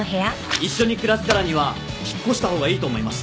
一緒に暮らすからには引っ越した方がいいと思います。